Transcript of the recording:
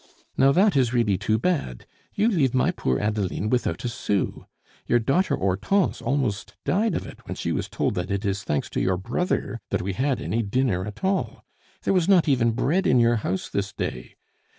Now that is really too bad; you leave my poor Adeline without a sou. Your daughter Hortense almost died of it when she was told that it is thanks to your brother that we had any dinner at all. There was not even bread in your house this day.